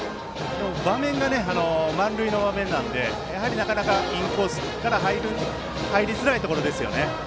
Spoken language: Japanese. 満塁の場面なのでなかなかインコースから入りづらいところですね。